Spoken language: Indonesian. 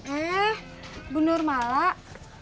eh bu nur malah